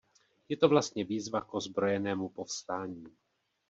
Je to vlastně výzva k ozbrojenému povstání.